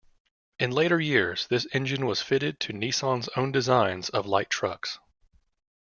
In later years, this engine was fitted to Nissan's own designs of light trucks.